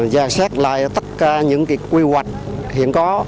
giải sát lại tất cả những quy hoạch hiện có